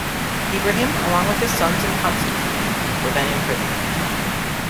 Ibrahim, along with his sons and Constanine were then imprisoned.